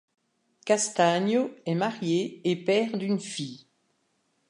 Castaño est marié et perd d'une fille.